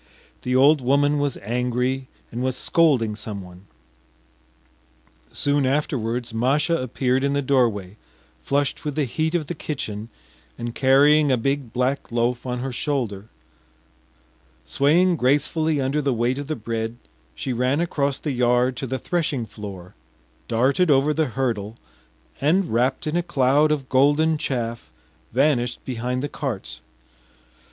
The old woman was angry and was scolding someone. Soon afterwards Masha appeared in the doorway, flushed with the heat of the kitchen and carrying a big black loaf on her shoulder; swaying gracefully under the weight of the bread, she ran across the yard to the threshing floor, darted over the hurdle, and, wrapt in a cloud of golden chaff, vanished behind the carts.